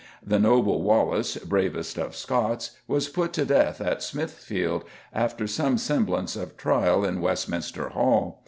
The noble Wallace, bravest of Scots, was put to death at Smithfield after some semblance of trial in Westminster Hall.